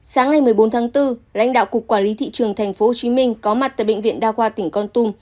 sáng ngày một mươi bốn tháng bốn lãnh đạo cục quản lý thị trường tp hcm có mặt tại bệnh viện đa khoa tỉnh con tum